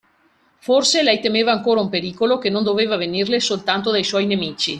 Forse, lei temeva ancora un pericolo, che non doveva venirle soltanto dai suoi nemici.